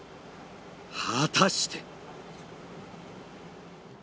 果たして。